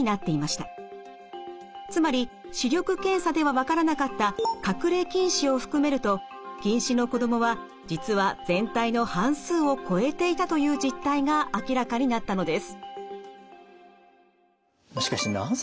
つまり視力検査では分からなかった隠れ近視を含めると近視の子どもは実は全体の半数を超えていたという実態が明らかになったのです。